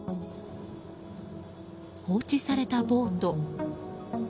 放置されたボート。